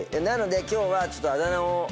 なので今日はちょっとあだ名を。